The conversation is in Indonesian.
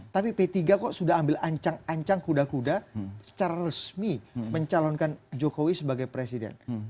tapi p tiga kok sudah ambil ancang ancang kuda kuda secara resmi mencalonkan jokowi sebagai presiden